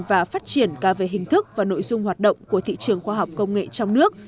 và phát triển cả về hình thức và nội dung hoạt động của thị trường khoa học công nghệ trong nước